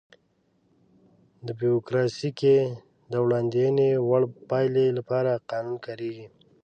په بیوروکراسي کې د وړاندوينې وړ پایلې لپاره قانون کاریږي.